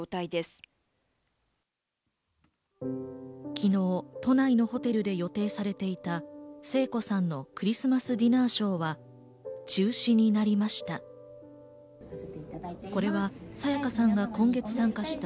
昨日、都内のホテルで予定されていた聖子さんのクリスマスディナーショーは中止になりました。